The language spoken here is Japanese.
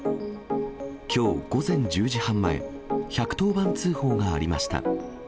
きょう午前１０時半前、１１０番通報がありました。